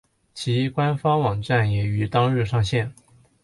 其官方网站也于当日上线。